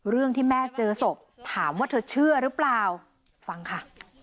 เรื่องที่แม่เจอศพถามว่าเธอเชื่อหรือเปล่าฟังค่ะ